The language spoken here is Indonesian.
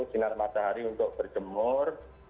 jinar matahari untuk berjemur